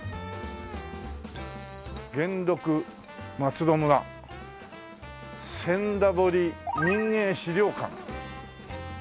「元禄まつど村」「千駄堀民芸資料館」